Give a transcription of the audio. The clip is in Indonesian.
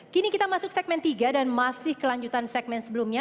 kini kita masuk segmen tiga dan masih kelanjutan segmen sebelumnya